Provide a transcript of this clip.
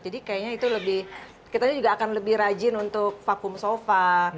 jadi kayaknya itu lebih kita juga akan lebih rajin untuk vakum sofa